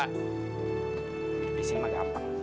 hidup disini mah gampang